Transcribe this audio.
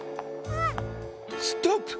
ストップ！